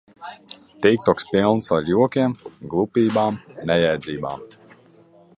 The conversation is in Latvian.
Tiktoks pilns ar jokiem, glupībām, nejēdzībām.